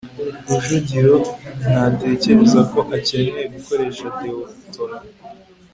rujugiro ntatekereza ko akeneye gukoresha deodorant